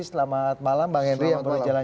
selamat malam bang henry yang baru jalan jalan